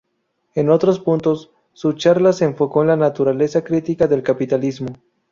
Entre otros puntos, su charla se enfocó en la naturaleza crítica del capitalismo.